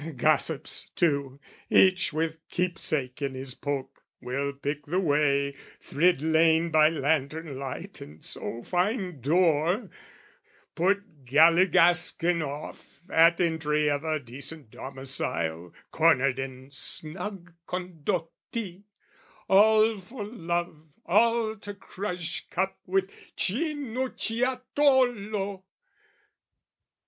Gossips, too, each with keepsake in his poke, Will pick the way, thrid lane by lantern light, And so find door, put galligaskin off At entry of a decent domicile Cornered in snug Condotti, all for love, All to crush cup with Cinucciatolo!